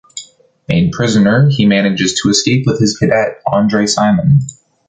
Made prisoner, he manages to escape with his cadet, André Simon.